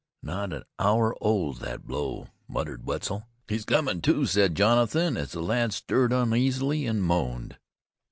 "Not an hour old, that blow," muttered Wetzel. "He's comin' to," said Jonathan as Will stirred uneasily and moaned.